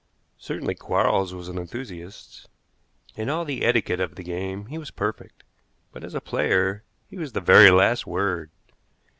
Certainly Quarles was an enthusiast. In all the etiquette of the game he was perfect, but as a player he was the very last word.